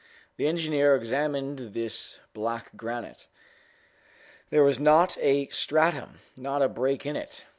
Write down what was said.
The engineer examined this black granite. There was not a stratum, not a break in it.